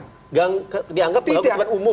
dianggap bahwa keuntungan umum